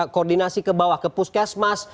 koordinasi ke bawah ke puskesmas